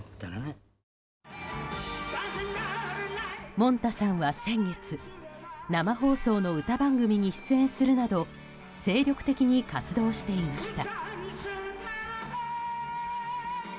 もんたさんは先月生放送の番組に出演するなど精力的に活動していました。